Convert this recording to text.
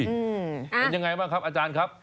เป็นยังไงบ้างครับอาจารย์ครับ